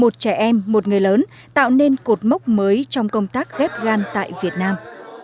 một trẻ em một người lớn tạo nên cột mốc mới trong công tác ghép gan tại việt nam